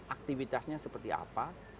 aktivitasnya seperti apa